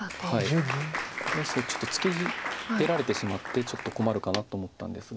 これはそうちょっと出られてしまってちょっと困るかなと思ったんですが。